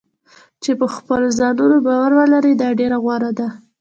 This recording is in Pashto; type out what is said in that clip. چې په خپلو ځانونو باور ولري دا ډېر غوره دی.